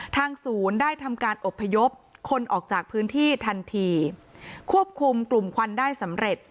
ทางศูนย์ได้ทำการอบพยพคนออกจากพื้นที่ทันทีควบคุมกลุ่มควันได้สำเร็จ